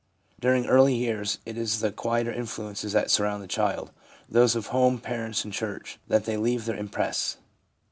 During early years it is the quieter influences that surround the child — those of home, parents and church — that leave their impress.